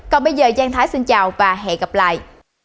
còn bây giờ giang thái xin chào và hẹn gặp lại